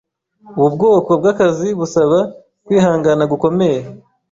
Ubu bwoko bwakazi busaba kwihangana gukomeye.